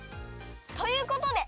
ということで